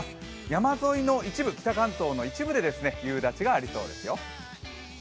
山沿いの一部、北関東の一部で夕立がありそうですよ。